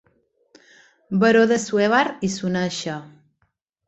Baró d'Assuévar i Soneixa.